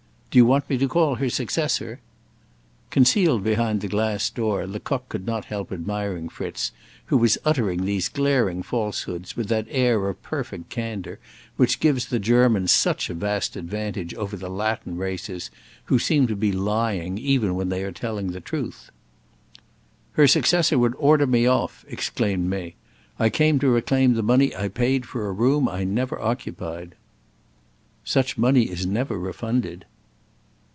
"Do you want me to call her successor?" Concealed behind the glass door, Lecoq could not help admiring Fritz, who was uttering these glaring falsehoods with that air of perfect candor which gives the Germans such a vast advantage over the Latin races, who seem to be lying even when they are telling the truth. "Her successor would order me off," exclaimed May. "I came to reclaim the money I paid for a room I never occupied." "Such money is never refunded."